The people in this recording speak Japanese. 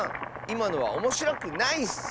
いまのはおもしろくないッス。